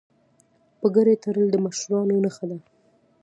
پګړۍ تړل د مشرانو نښه ده.